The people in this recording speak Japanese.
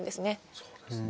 そうですね。